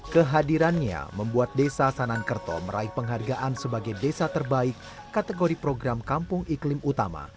kehadirannya membuat desa sanankerto meraih penghargaan sebagai desa terbaik kategori program kampung iklim utama